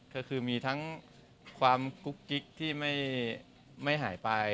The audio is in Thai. ก็คือมีทั้งความกุ๊กกิ๊กที่ไม่หายไป